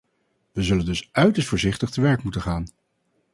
We zullen dus uiterst voorzichtig te werk moeten gaan.